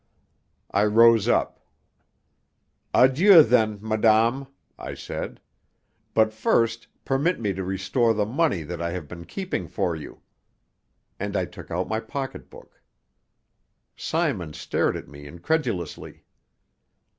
I rose up. "Adieu, then, madame," I said. "But first permit me to restore the money that I have been keeping for you." And I took out my pocketbook. Simon stared at me incredulously.